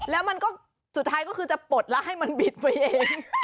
แล้วมันก็สุดท้ายก็คือจะปลดแล้วให้มันบิดไปเอง